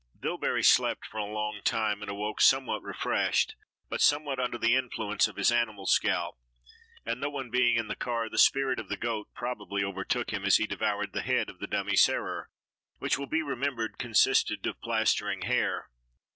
Dillbery slept for a long time, and awoke somewhat refreshed, but somewhat under the influence of his animal scalp, and no one being in the car, the spirit of the goat probably overtook him, as he devoured the head of the dummy "Sarer," which will be remembered consisted of plastering hair.